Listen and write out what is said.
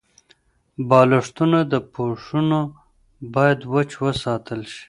بالښتونه او پوښونه باید وچ وساتل شي.